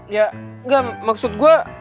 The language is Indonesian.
ya enggak maksud gue